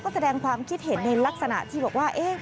ก็แสดงความคิดเห็นในลักษณะที่บอกว่า